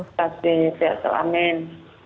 terima kasih sehat selalu amin